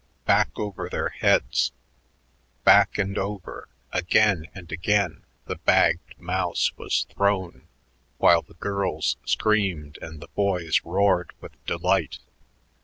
Back over their heads, back and over, again and again the bagged mouse was thrown while the girls screamed and the boys roared with delight.